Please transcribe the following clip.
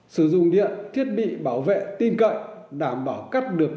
sử dụng điện thiết bị bảo vệ tin cậy đảm bảo cắt được